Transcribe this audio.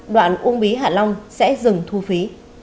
đoạn ung bí hạ long sẽ dừng thu phí